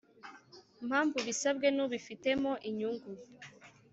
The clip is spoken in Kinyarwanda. Mpamvu bisabwe n ubifitemo inyungu